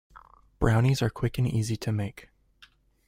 Brownies are quick and easy to make.